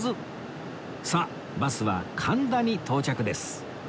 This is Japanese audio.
さあバスは神田に到着です